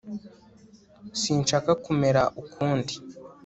sinshaka kumera ukundi